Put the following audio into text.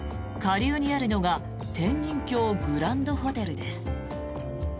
下流にあるのが天人峡グランドホテルです。